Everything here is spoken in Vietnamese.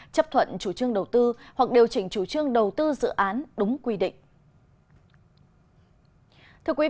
chấp thuận chủ trương đầu tư hoặc điều chỉnh chủ trương đầu tư dự án đúng quy định